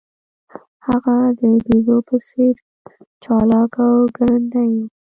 هغه د بیزو په څیر چلاک او ګړندی و.